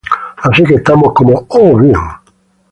Así que estamos como, 'Oh, bien.